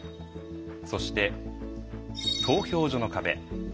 そして投票所の壁。